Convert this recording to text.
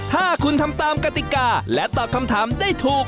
ถ้าคุณทำตามกติกาและตอบคำถามได้ถูก